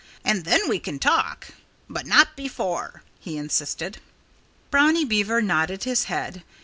And then we can talk. But not before!" he insisted. Brownie Beaver nodded his head.